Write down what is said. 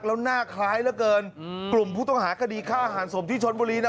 แล้วหน้าคล้ายเหลือเกินกลุ่มผู้ต้องหาคดีฆ่าหันศพที่ชนบุรีนะ